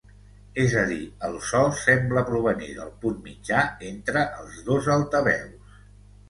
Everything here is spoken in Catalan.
És a dir, el so sembla provenir del punt mitjà entre els dos altaveus.